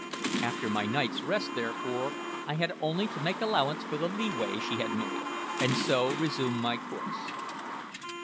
After my night's rest, therefore, I had only to make allowance for the leeway she had made, and so resume my course.